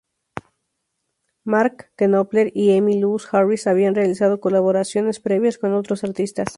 Mark Knopfler y Emmylou Harris habían realizado colaboraciones previas con otros artistas.